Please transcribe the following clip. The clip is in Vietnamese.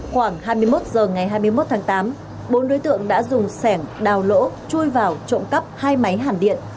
khoảng hai mươi một h ngày hai mươi một tháng tám bốn đối tượng đã dùng sẻng đào lỗ chui vào trộm cắp hai máy hàn điện